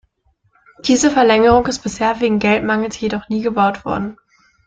Diese Verlängerung ist bisher wegen Geldmangels jedoch nie gebaut worden.